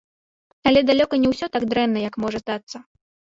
Але далёка не ўсё так дрэнна, як можа здацца.